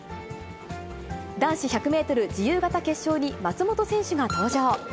男子１００メートル自由形決勝に、松元選手が登場。